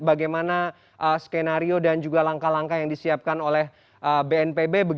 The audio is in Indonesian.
bagaimana skenario dan juga langkah langkah yang disiapkan oleh bnpb